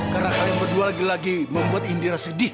karena kalian berdua lagi lagi membuat indira sedih